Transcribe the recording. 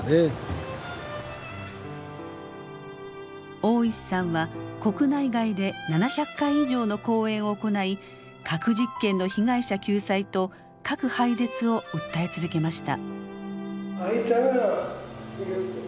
大石さんは国内外で７００回以上の講演を行い核実験の被害者救済と核廃絶を訴え続けました。